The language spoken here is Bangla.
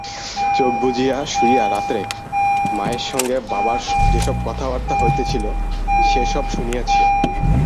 চোখ বুজিয়া শুইয়া রাত্রে মায়ের সঙ্গে বাবার যেসব কথাবার্তা হইতেছিল, সে সব শুনিয়াছে।